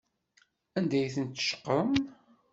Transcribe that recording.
Anda ay tent-tceqrem?